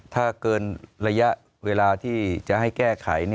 ถ้าเกินระยะเวลาที่จะให้แก้ไข